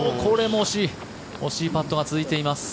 惜しいパットが続いています。